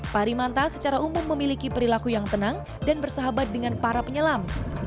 parimanta secara umum memiliki perilaku yang tenang dan bersahabat dengan para penyelam